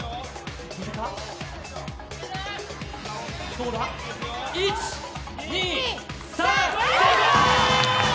どうだ、１、２、３、成功！